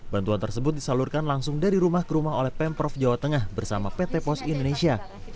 bantuan tersebut disalurkan langsung dari rumah ke rumah oleh pemprov jawa tengah bersama pt pos indonesia